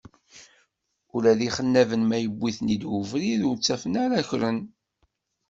Ula d ixennaben ma yewwi-ten-id webrid, ur ttafen ara akren.